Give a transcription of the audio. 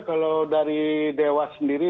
kalau dari dewas sendiri